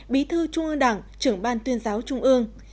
bí thư trung ương đảng trưởng ban tuyên giáo trung ương